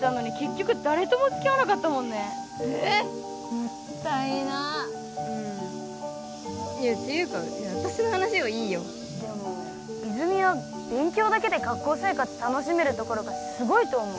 もったいなーうんていうか私の話はいいよでも泉は勉強だけで学校生活楽しめるところがすごいと思う